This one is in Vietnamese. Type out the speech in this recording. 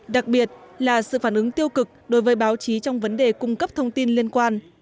đặc biệt là sự phản ứng tiêu cực đối với báo chí trong vấn đề cung cấp thông tin liên quan